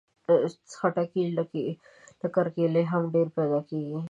خټکی له کرکيله هم ډېر پیدا کېږي.